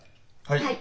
はい！